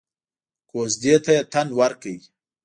کوژدې ته يې تن ورکړ.